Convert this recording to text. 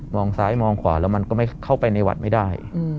ซ้ายมองขวาแล้วมันก็ไม่เข้าไปในวัดไม่ได้